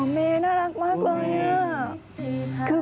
หมอเมน่ารักมากเลย